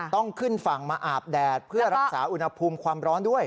ต้องขึ้นฝั่งมาอาบแดดเพื่อรักษาอุณหภูมิความร้อนด้วย